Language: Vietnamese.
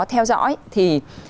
theo dõi thì